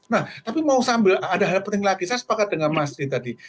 nah tapi ada hal penting lagi saya sepakat dengan mas didi tadi